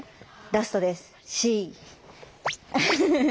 ラストです